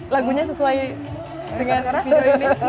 lagunya sesuai dengan video ini